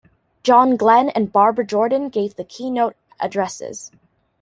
John Glenn and Barbara Jordan gave the keynote addresses.